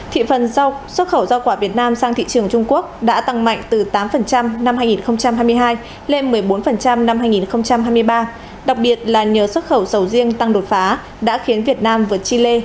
thị phần xuất khẩu giao quả việt nam sang thị trường trung quốc đã tăng mạnh từ tám năm hai nghìn hai mươi hai lên một mươi bốn năm hai nghìn hai mươi ba đặc biệt là nhờ xuất khẩu sầu riêng tăng đột phá đã khiến việt nam vượt chile